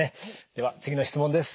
では次の質問です。